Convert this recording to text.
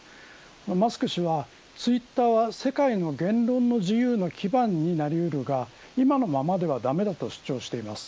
マスク氏はツイッターは世界の言論の自由の基盤になり得るが今のままでは駄目だと主張しています。